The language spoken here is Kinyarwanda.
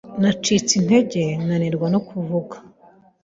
Nacitse intege nanirwa no kuvuga.